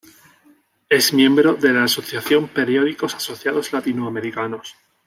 Es miembro de la asociación Periódicos Asociados Latinoamericanos.